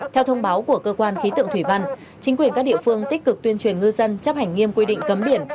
theo thông báo của cơ quan khí tượng thủy văn chính quyền các địa phương tích cực tuyên truyền ngư dân chấp hành nghiêm quy định cấm biển